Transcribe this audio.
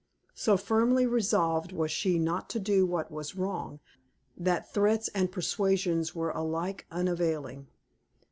So firmly resolved was she not to do what was wrong, that threats and persuasions were alike unavailing.